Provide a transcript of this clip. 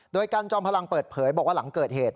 โดยกันจอมพลังเปิดเผยบอกว่าหลังเกิดเหตุ